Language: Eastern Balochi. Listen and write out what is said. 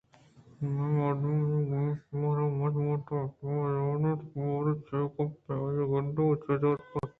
دُرٛاہیں مردم آئی ءِ کشءُگوٛر ءَ مچ بوت اَنت کہ بہ زان اَنت باریں چہ گپے؟ آئیءَ کندگ ءِ جہد کُت